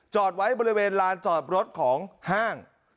ไว้บริเวณลานจอดรถของห้าง